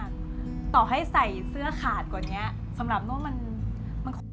หรอกว่าต่อให้ใส่เสื้อขาดกว่านี้สำหรับนุ้นมัน